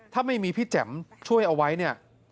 ถ้าไม่มีพี่แจ้มช่วยเอาไว้